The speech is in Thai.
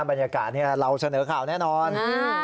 บรรยากาศเนี่ยเราเสนอข่าวแน่นอนอ่า